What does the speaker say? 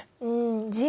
うん。